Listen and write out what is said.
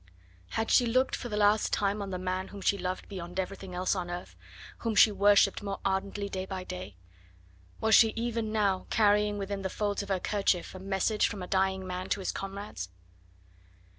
Had she looked for the last time on the man whom she loved beyond everything else on earth, whom she worshipped more ardently day by day? Was she even now carrying within the folds of her kerchief a message from a dying man to his comrades?